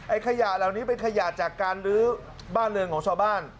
ขยะเหล่านี้เป็นขยะจากการลื้อบ้านเรือนของชาวบ้าน